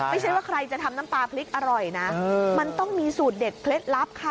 ไม่ใช่ว่าใครจะทำน้ำปลาพริกอร่อยนะมันต้องมีสูตรเด็ดเคล็ดลับค่ะ